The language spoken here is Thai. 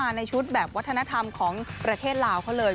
ในชุดแบบวัฒนธรรมของประเทศลาวเขาเลย